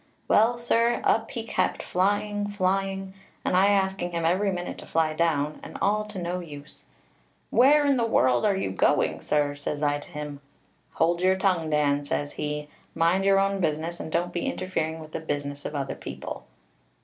Well, sir, up he kept, flying, flying, and I asking him every minute to fly down, and all to no use. 'Where in the world are you going, sir?' says I to him. 'Hold your tongue, Dan,' says he: 'mind your own business, and don't be interfering with the business of other people.'